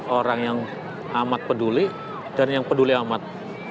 orang yang amat peduli dan yang peduli amat